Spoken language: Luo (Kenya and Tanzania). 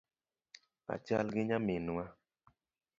Achal gi nyaminwa